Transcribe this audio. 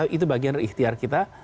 itu bagian ikhtiar kita